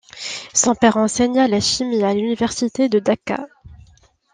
Son père enseigna la chimie à l'université de Dacca.